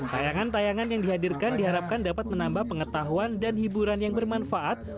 tayangan tayangan yang dihadirkan diharapkan dapat menambah pengetahuan dan hiburan yang bermanfaat